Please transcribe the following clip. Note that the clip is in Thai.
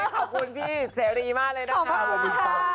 ขอบคุณพี่เสรีมากเลยนะคะสวัสดีค่ะ